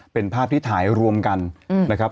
เป็นภาพที่ถ่ายรวมกันนะครับ